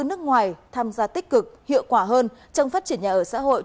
nước ngoài tham gia tích cực hiệu quả hơn trong phát triển nhà ở xã hội